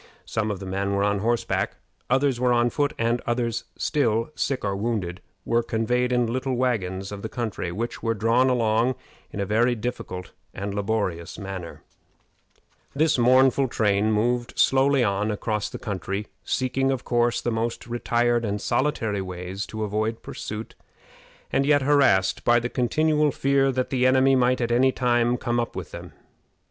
Some of the men were on horseback, others were on foot, and others still, sick or wounded, were conveyed on little wagons of the country, which were drawn along in a very difficult and laborious manner. [Illustration: Flight of the King of Sweden.] This mournful train moved slowly on across the country, seeking, of course, the most retired and solitary ways to avoid pursuit, and yet harassed by the continual fear that the enemy might at any time come up with them.